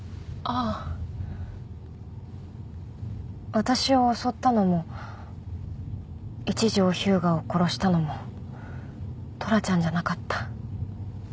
私を襲ったのも一条彪牙を殺したのもトラちゃんじゃなかった。